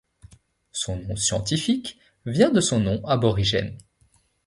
Son nom scientifique vient de son nom aborigène.